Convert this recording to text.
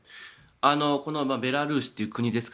ベラルーシという国ですか